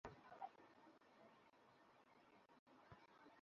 কিন্তু বিশ্বাস করো, একটা সময় আসবে যখন তোমার শক্তির দরকার পড়বে।